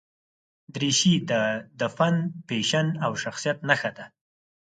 دریشي د فن، فیشن او شخصیت نښه ده.